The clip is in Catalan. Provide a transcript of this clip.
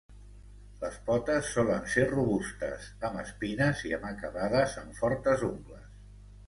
Les potes solen ser robustes, amb espines, i amb acabades en fortes ungles.